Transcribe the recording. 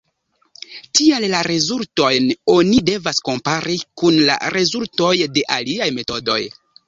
Tial la rezultojn oni devas kompari kun la rezultoj de aliaj metodoj.